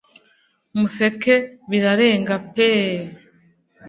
museke birarenge peee